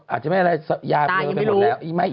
อาจจะไม่อะไรยาเบลอไปหมดแล้ว